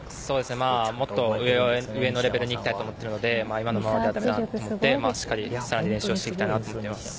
もっと上のレベルに行きたいと思っているので今のままではだめだなと思って更に練習をしたいと思います。